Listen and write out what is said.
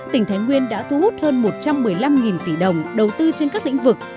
tỉnh thái nguyên đã thu hút hơn một trăm một mươi năm tỷ đồng đầu tư trên các lĩnh vực